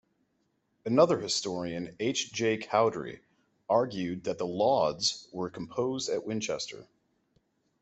Another historian, H. J. Cowdrey, argued that the "laudes" were composed at Winchester.